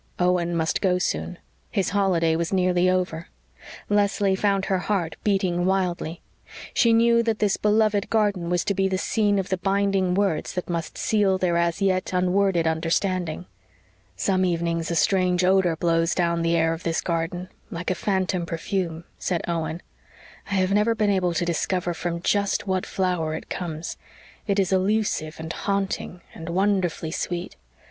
Owen must go soon. His holiday was nearly over. Leslie found her heart beating wildly. She knew that this beloved garden was to be the scene of the binding words that must seal their as yet unworded understanding. "Some evenings a strange odor blows down the air of this garden, like a phantom perfume," said Owen. "I have never been able to discover from just what flower it comes. It is elusive and haunting and wonderfully sweet.